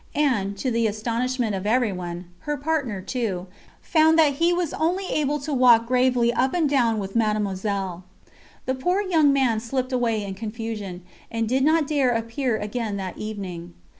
And, to the astonishment of everyone, her partner, too, found that he was only able to walk gravely up and down with Mademoiselle. The poor young man slipped away in confusion, and did not dare appear again that evening.